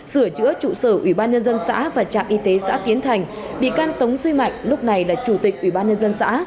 sửa chữa trụ sở ubnd xã và trạm y tế xã tiến thành bị can tống duy mạnh lúc này là chủ tịch ubnd xã